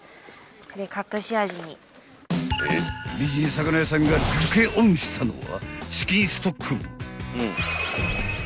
［美人魚屋さんがヅケオンしたのは］